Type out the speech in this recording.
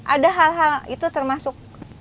ada hal hal itu termasuk